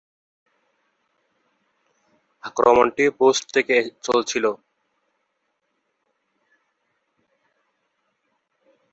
আক্রমণটি পোস্ট থেকে চলেছিল।